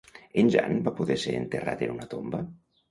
En Jan va poder ser enterrat en una tomba?